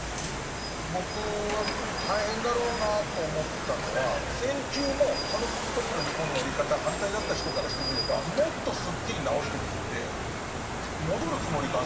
僕は大変だろうなと思ったのは戦中もその時の日本のやり方に反対だった人からしてみればもっとすっきりなおしてくれって戻るつもりか